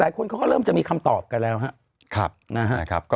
หลายคนก็ก็เริ่มจะมีคำตอบกันแล้วครับครับนะฮะครับก็